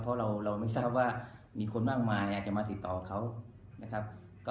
เพราะเราไม่ทราบว่ามีคนมากมายอยากจะมาติดต่อเขานะครับ